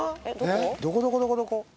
どこどこどこどこ？